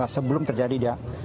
sebelum terjadi diperlindungi